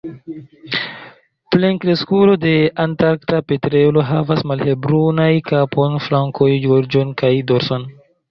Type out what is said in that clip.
Plenkreskulo de Antarkta petrelo havas malhelbrunajn kapon, flankojn, gorĝon kaj dorson.